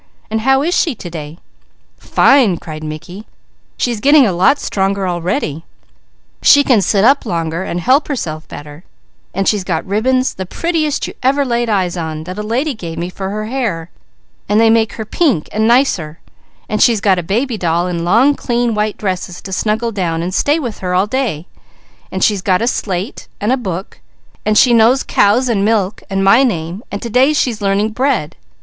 And how is she to day?" "Fine!" cried Mickey. "She is getting a lot stronger already. She can sit up longer and help herself better, and she's got ribbons, the prettiest you ever laid eyes on, that a lady gave me for her hair, and they make her pink and nicer; and she's got a baby doll in long clean white dresses to snuggle down and stay with her all day; and she's got a slate, and a book, and she knows 'cow' and 'milk' and my name, and to day she is learning 'bread.'